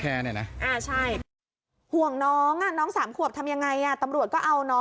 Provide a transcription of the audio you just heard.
แค่เปิดประตูห้องมาก็ไม่ได้เปิดเพราะโล็กกุญแจจากข้างนอก